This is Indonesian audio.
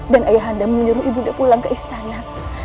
dan ayah nda mau nyuruh ibu nda pulang ke istana